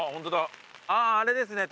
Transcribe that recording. あぁあれですね。